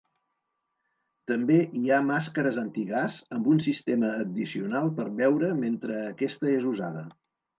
També hi ha màscares antigàs amb un sistema addicional per beure mentre aquesta és usada.